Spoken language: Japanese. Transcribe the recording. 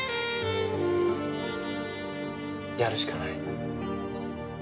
やるしかない。